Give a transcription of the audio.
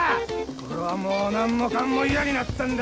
俺はもう何もかも嫌になったんだ！